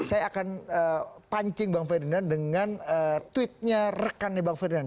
saya akan pancing bang ferdinand dengan tweetnya rekannya bang ferdinand